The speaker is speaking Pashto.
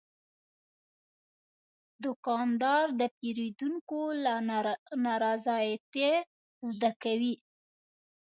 دوکاندار د پیرودونکو له نارضایتۍ زده کوي.